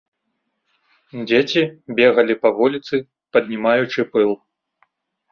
Дзеці бегалі па вуліцы, паднімаючы пыл.